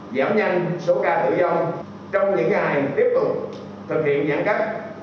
giảm nhanh số ca tự do trong những ngày tiếp tục thực hiện giãn cách